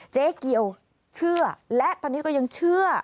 เจ๊เกียวเชื่อและตอนนี้ก็ยังเชื่อ